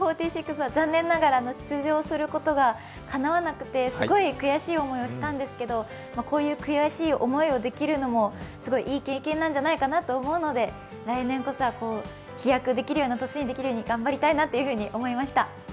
４６は残念ながら出場することがかなわなくて、すごい悔しい思いをしたんですけどこういう悔しい思いをできるのもすごいいい経験なんじゃないかなと思うので来年こそは飛躍できるような年になるように頑張りたいなと思いました。